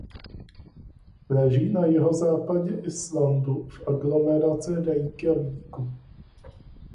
Leží na jihozápadě Islandu v aglomeraci Reykjavíku.